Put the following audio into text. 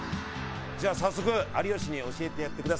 じゃあ早速有吉に教えてやってください。